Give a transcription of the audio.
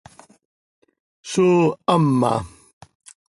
Zóo hama.